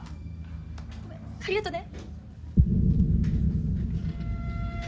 ごめんありがとね。